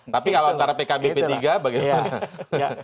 tapi kalau antara pkb p tiga bagaimana